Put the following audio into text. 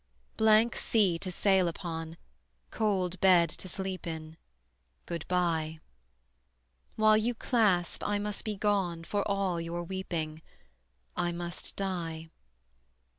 Blank sea to sail upon, Cold bed to sleep in: Good by. While you clasp, I must be gone For all your weeping: I must die.